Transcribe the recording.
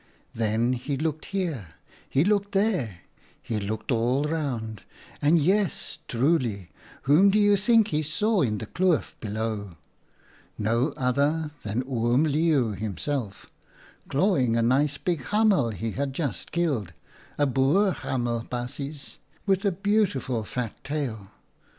Then he looked here, he looked there, he looked all around, and yes, truly ! whom do you think he saw in the kloof JAKHALS FED OOM LEEUW 13 below? No other than Oom Leeuw him self, clawing a nice big hamel he had just killed — a Boer hamel, baasjes, with a beauti ful fat tail.